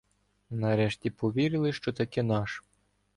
Нарешті повірили, що таки наш.